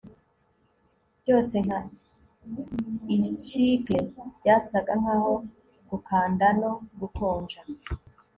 Byose nka icicle byasaga nkaho gukanda no gukonja